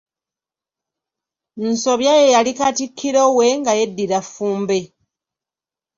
Nsobya ye yali Katikkiro we, nga yeddira Ffumbe.